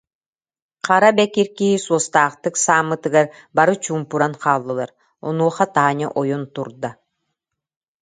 хара бэкир киһи суостаахтык сааммытыгар бары чуумпуран хааллылар, онуоха Таня ойон турда: